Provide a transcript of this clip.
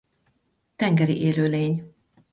Tengeri élőlény.